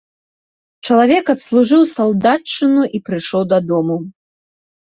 Чалавек адслужыў салдатчыну і прыйшоў дадому.